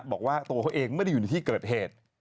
บอกว่าตัวเขาเองไม่ได้อยู่ในที่เกิดเหตุ